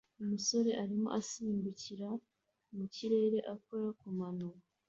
Umusore arimo asimbukira mu kirere akora ku mano